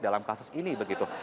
dalam kasus ini begitu